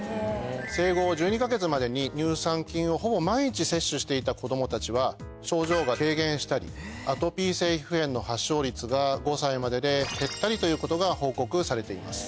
生後１２か月までに乳酸菌をほぼ毎日摂取していた子供たちは症状が軽減したりアトピー性皮膚炎の発症率が５歳までで減ったりということが報告されています。